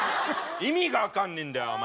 意味が分かんねえんだよお前。